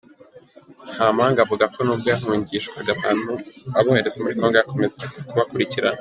Ntamuhanga avuga ko nubwo yahungishaga abantu abohereza muri Congo yakomezaga kubakurikirana.